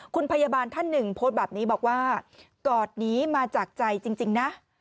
คุณพยาบาลท่านหนึ่งโพสต์แบบนี้บอกว่ากอดนี้มาจากใจจริงนะ